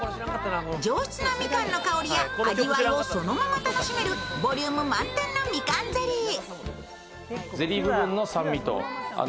上質なみかんの香りや味わいをそのまま楽しめるボリューム満点のみかんゼリー。